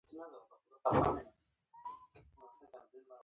افغانستان په خپلو غوښې باندې پوره تکیه لري.